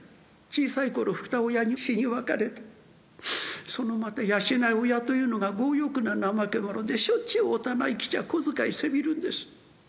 小さい頃二親に死に別れてそのまた養い親というのが強欲な怠け者でしょっちゅうお店へ来ちゃ小遣いせびるんです。